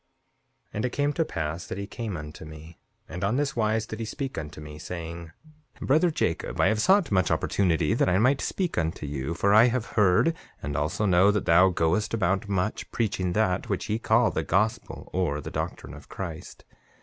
7:6 And it came to pass that he came unto me, and on this wise did he speak unto me, saying: Brother Jacob, I have sought much opportunity that I might speak unto you; for I have heard and also know that thou goest about much, preaching that which ye call the gospel, or the doctrine of Christ.